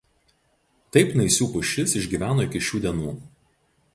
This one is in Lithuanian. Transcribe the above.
Taip Naisių pušis išgyveno iki šių dienų.